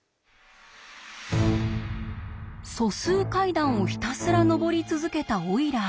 素数階段をひたすら上り続けたオイラー。